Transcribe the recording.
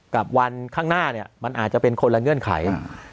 กับวันข้างหน้าเนี่ยมันอาจจะเป็นคนละเงื่อนไข